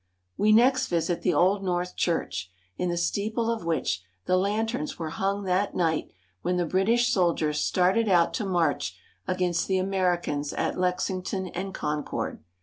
We next visit the old North Church, in the steeple of which the lanterns were hung that night when the British soldiers started out to march against the Ameri cans at Lexington and Concord.